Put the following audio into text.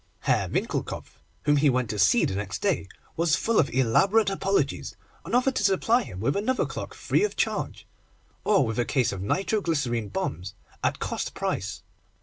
Herr Winckelkopf, whom he went to see the next day was full of elaborate apologies, and offered to supply him with another clock free of charge, or with a case of nitro glycerine bombs at cost price.